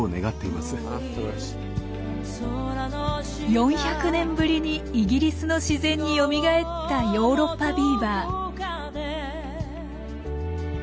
４００年ぶりにイギリスの自然によみがえったヨーロッパビーバー。